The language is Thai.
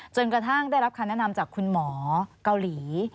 จนกระทั่งได้รับคำแนะนำจากคุณหมอเกาหลี